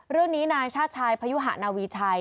เรื่องนี้นายชาติชายพยุหะนาวีชัย